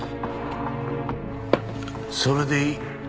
それでいい。